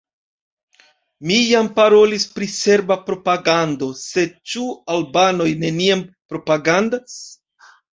Mi jam parolis pri serba propagando – sed ĉu albanoj neniam propagandas?